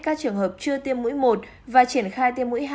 các trường hợp chưa tiêm mũi một và triển khai tiêm mũi hai